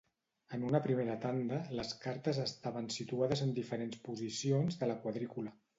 En una primera tanda, les cartes estaven situades en diferents posicions de la quadrícula.